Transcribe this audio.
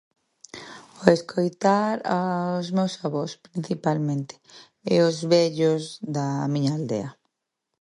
Ó escoitar a os meus avós, principalmente, e aos vellos da miña aldea.